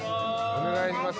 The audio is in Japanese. お願いします。